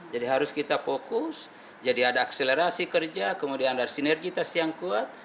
jadi harus kita fokus jadi ada akselerasi kerja kemudian ada sinergitas yang kuat